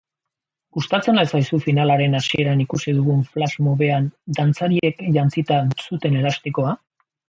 Gustatzen al zaizu finalaren hasieran ikusi dugun flashmobean dantzariek jantzita zuten elastikoa?